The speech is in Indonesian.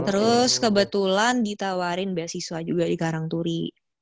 terus kebetulan ditawarin beasiswa juga di karangturi